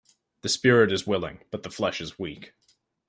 The spirit is willing but the flesh is weak.